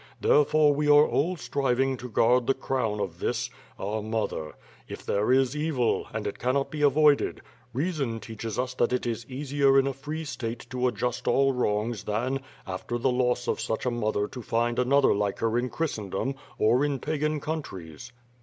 Therefore we are all striving to guard the crown of this, our mother: if there is evil, and it cannot be avoided, reason teaches us that it is easier in a free State to adjust all wrongs than, after the WITH FIRE AND ^WORD. 327 loss of such a mother to find another like her in Christendom, or in Pagan countries."